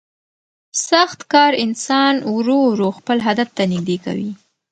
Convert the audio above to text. سخت کار انسان ورو ورو خپل هدف ته نږدې کوي